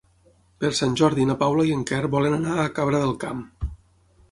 Per Sant Jordi na Paula i en Quer volen anar a Cabra del Camp.